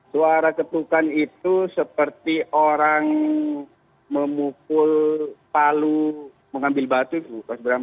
suara ketukan itu seperti orang memukul palu mengambil batu itu mas bram